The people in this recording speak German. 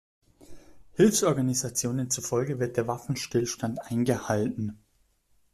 Hilfsorganisationen zufolge wird der Waffenstillstand eingehalten.